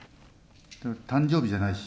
誕生日じゃないし。